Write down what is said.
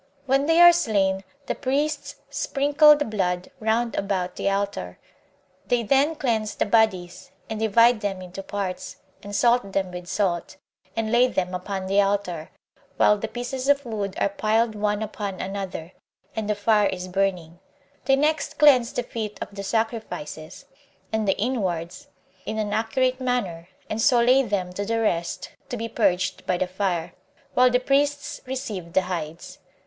When they are slain, the priests sprinkle the blood round about the altar; they then cleanse the bodies, and divide them into parts, and salt them with salt, and lay them upon the altar, while the pieces of wood are piled one upon another, and the fire is burning; they next cleanse the feet of the sacrifices, and the inwards, in an accurate manner and so lay them to the rest to be purged by the fire, while the priests receive the hides.